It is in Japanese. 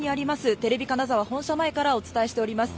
テレビ金沢本社前からお伝えしております。